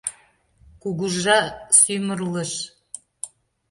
КУГЫЖА СӰМЫРЛЫШ